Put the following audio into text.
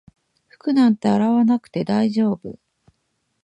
服なんて洗わなくて大丈夫